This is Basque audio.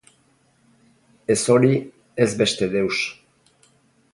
Ez hori, ez beste deus.